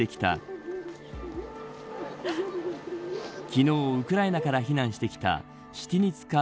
昨日ウクライナから避難してきたシティニツカ